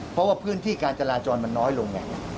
เพราะว่าพื้นที่การจราจรมันน้อยลงไง